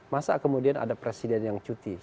masa kemudian ada presiden yang cuti